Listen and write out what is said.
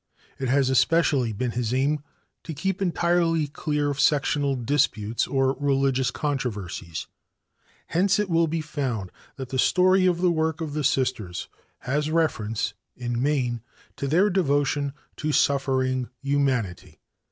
It has especially been his aim to keep entirely clear of sectional disputes or religious controversies. Hence it will be found that the story of the work of the Sisters has reference, in the main, to their devotion to suffering humanity.